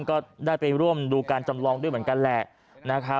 ก็ได้ไปร่วมดูการจำลองด้วยเหมือนกันแหละ